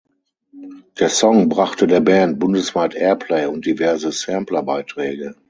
Der Song brachte der Band bundesweit Airplay und diverse Samplerbeiträge.